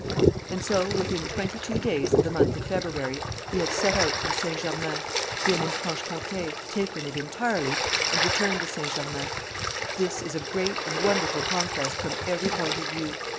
And so, within twenty two days of the month of February, he had set out from St. Germain, been in Franche Comte, taken it entirely, and returned to St. Germain. This is a great and wonderful conquest from every point of view.